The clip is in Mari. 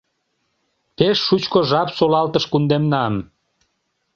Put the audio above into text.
Пеш шучко жап солалтыш кундемнам.